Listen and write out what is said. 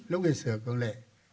lúc này sửa cương lệ